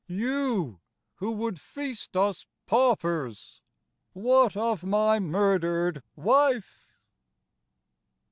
You, who would feast us paupers. What of my murdered wife